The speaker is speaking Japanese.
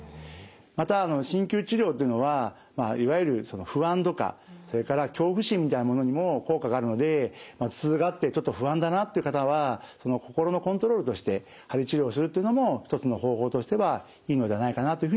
また鍼灸治療というのはいわゆるその不安とかそれから恐怖心みたいなものにも効果があるので頭痛があってちょっと不安だなっていう方はその心のコントロールとして鍼治療をするというのも一つの方法としてはいいのではないかなという